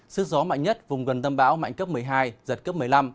sức gió mạnh nhất vùng gần tâm bão mạnh cấp một mươi hai giật cấp một mươi năm